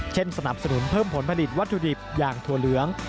สนับสนุนเพิ่มผลผลิตวัตถุดิบอย่างถั่วเหลือง